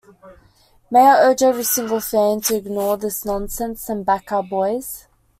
May I urge every single fan to ignore this nonsense and back our boys.